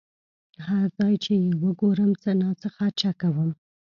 هر ځای چې یې وګورم څه ناڅه خرچه کوم.